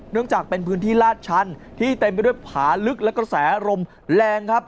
เนื่องจากเป็นพื้นที่ลาดชันที่เต็มไปด้วยผาลึกและกระแสลมแรงครับ